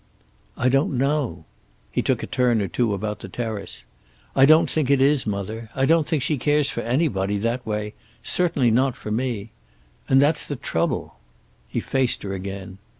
"I don't know." He took a turn or two about the terrace. "I don't think it is, mother. I don't think she cares for anybody, that way, certainly not for me. And that's the trouble." He faced her again.